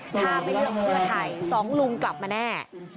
ถ้าไปเลือกเพื่อไทยสองลุงกลับมาแน่